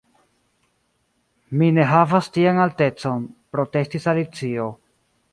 "Mi ne havas tian altecon," protestis Alicio.